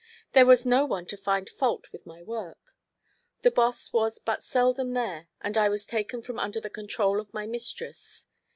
There was no one to find fault with my work. The boss was but seldom there and I was taken from under the control of my mistress.